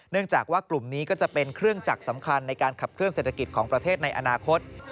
จากว่ากลุ่มนี้ก็จะเป็นเครื่องจักรสำคัญในการขับเคลื่อเศรษฐกิจของประเทศในอนาคต